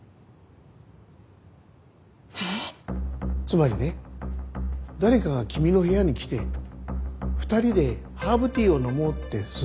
つまりね誰かが君の部屋に来て２人でハーブティーを飲もうって勧めた。